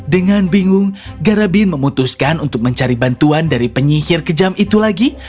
dengan bingung garabin memutuskan untuk mencari bantuan dari penyihir kejam itu lagi